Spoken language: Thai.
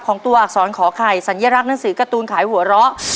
ตัวอักษรขอไข่สัญลักษ์หนังสือการ์ตูนขายหัวเราะ